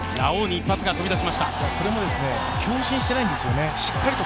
これも強振していないんですよね。